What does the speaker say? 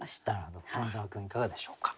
桃沢君いかがでしょうか。